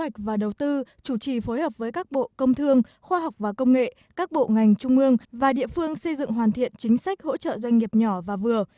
các bộ ngành trung ương và địa phương xây dựng hoàn thiện chính sách hỗ trợ doanh nghiệp nhỏ và vừa